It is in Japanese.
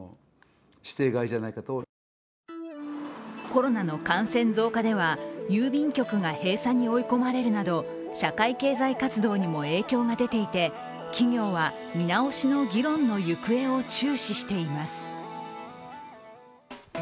コロナの感染増加では郵便局が閉鎖に追い込まれるなど社会経済活動にも影響が出ていて企業は見直しの議論の行方を注視しています。